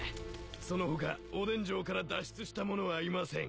その他おでん城から脱出した者はいません。